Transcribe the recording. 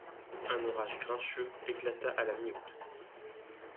Un orage grincheux éclata à la mi-août.